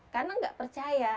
karena saya tidak percaya